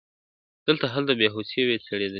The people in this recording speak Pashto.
دلته هلته به هوسۍ وې څرېدلې !.